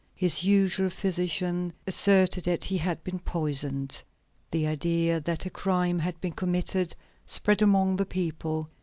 His usual physician asserted that he had been poisoned. The idea that a crime had been committed spread among the people.